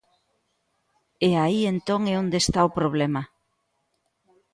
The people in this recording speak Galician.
E aí entón é onde está o problema.